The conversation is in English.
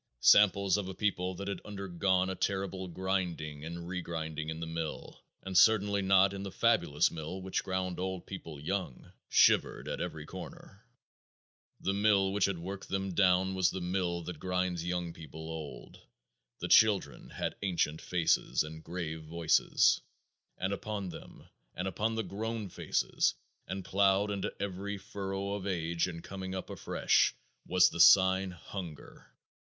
Samples of a people that had undergone a terrible grinding and regrinding in the mill, and certainly not in the fabulous mill which ground old people young, shivered at every corner.... The mill which had worked them down was the mill that grinds young people old; the children had ancient faces and grave voices; and upon them, and upon the grown faces, and plowed into every furrow of age and coming up afresh, was the sign, Hunger.